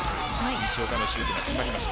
西岡のシュートが決まりました。